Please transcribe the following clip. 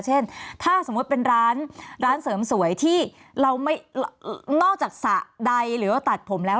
เช่นถ้าสมมุติเป็นร้านร้านเสริมสวยที่เราไม่นอกจากสระใดหรือว่าตัดผมแล้ว